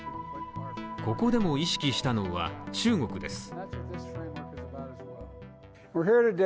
ここでも意識したのは中国です。